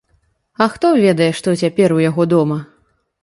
А хто ведае, што цяпер у яго дома?